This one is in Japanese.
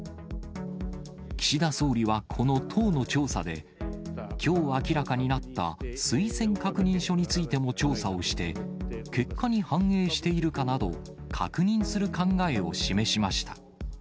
岸田総理はこの党の調査で、きょう明らかになった推薦確認書についても調査をして、結果に反映しているかなど、確認する考えを示しました。